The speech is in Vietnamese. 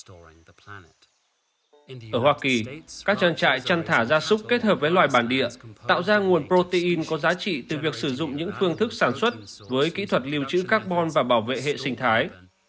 ở hoa kỳ các trang trại chăn thả ra súc kết hợp với loài bản địa tạo ra nguồn protein có giá trị từ việc sử dụng những phương thức sản xuất với kỹ thuật lưu trữ carbon và bảo vệ hệ sinh thái